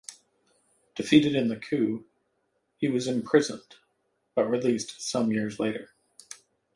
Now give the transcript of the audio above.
Defeated in the coup, he was imprisoned, but released some years later.